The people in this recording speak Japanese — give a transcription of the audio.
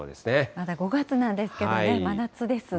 まだ５月なんですけどね、真夏ですね。